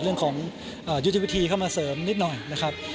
เรื่องของยุทธวิธีเข้ามาเสริมนิดหน่อยนะครับ